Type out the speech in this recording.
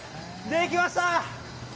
できました！